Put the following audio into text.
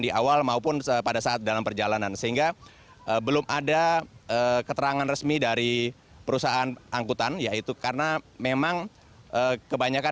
jadi ini memang seperti memang sudah sebuah kelaziman di sana ya bisa berlayar tanpa alasan